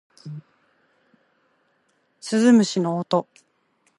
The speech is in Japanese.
鈴虫の音